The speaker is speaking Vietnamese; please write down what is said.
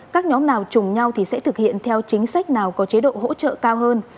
các nhóm nào chùm nhau thì sẽ thực hiện theo chính sách nào có chế độ hỗ trợ cao hơn